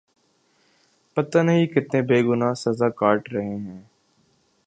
پتا نہیں کتنے بے گنا سزا کاٹ رہے ہیں